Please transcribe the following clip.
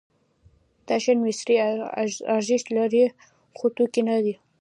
دا شیان مصرفي ارزښت لري خو توکي نه دي.